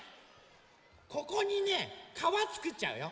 ここにねかわつくっちゃうよ。